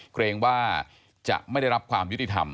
เกรงว่าจะไม่ได้รับความยุติธรรม